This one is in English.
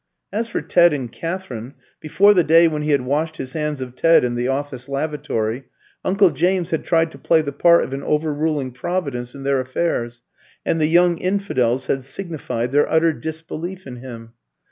As for Ted and Katherine, before the day when he had washed his hands of Ted in the office lavatory, uncle James had tried to play the part of an overruling Providence in their affairs, and the young infidels had signified their utter disbelief in him.